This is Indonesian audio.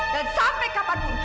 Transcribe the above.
dan sampai kapanpun